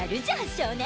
少年！